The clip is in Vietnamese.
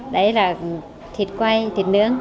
đấy là thịt quay thịt nướng